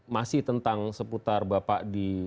masih tentang seputar bapak